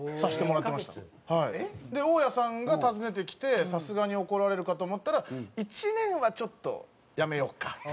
大家さんが訪ねてきてさすがに怒られるかと思ったら「１年はちょっとやめようか」。